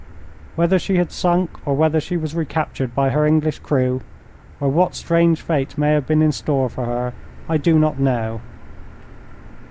Whether she had sunk, or whether she was recaptured by her English crew, or what strange fate may have been in store for her, I do not know.